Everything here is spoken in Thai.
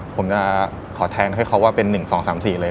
ผมจะขอแทงให้เขาว่าเป็น๑๒๓๔เลย